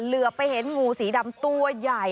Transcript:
เหลือไปเห็นงูสีดำตัวใหญ่